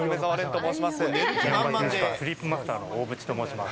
日本橋西川スリープマスターの大渕と申します。